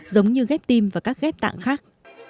giống như ghép tim và các ghép tạng khác